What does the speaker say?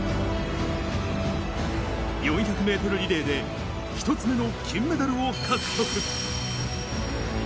４００メートルリレーで１つ目の金メダルを獲得。